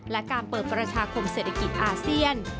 และการเปิดประชาคมเศรษฐกิจอาเซียน